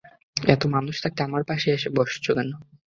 এত মানুষ থাকতে আমার পাশেই এসে বসেছ কেন?